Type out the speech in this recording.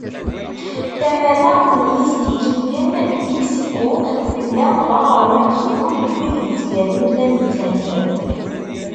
Tamaneɣt n Yiztikiyen, Miksiku, tella d aɣrem amexlul n wid yettganin tamettant.